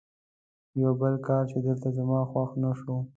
یو بل کار چې دلته زما خوښ نه شو.